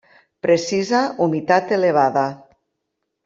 Precisa humitat elevada.